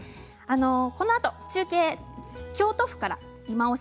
このあと中継、京都府から「いまオシ！